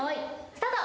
スタート。